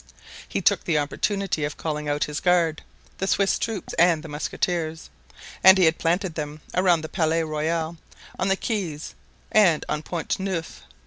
He took the opportunity of calling out his guard, the Swiss troops and the musketeers, and he had planted them round the Palais Royal, on the quays, and on the Pont Neuf.